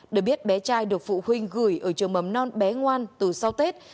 để biết bé trai được phụ huynh gửi ở trường mầm non bé ngoan từ sau tết